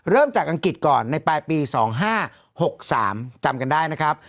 เริ่มจากอังกฤษก่อนในปลายปี๒๕๖๓จำกันได้นะครับ